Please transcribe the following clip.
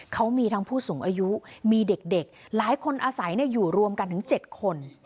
เขามีทั้งผู้สูงอายุมีเด็กหลายคนอาศัยอยู่รวมกันถึง๗คน